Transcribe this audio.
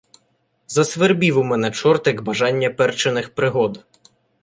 Засвербів у мене чортик бажання перчених пригод.